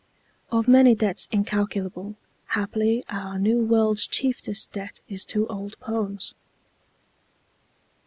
(Of many debts incalculable, Haply our New World's chieftest debt is to old poems.)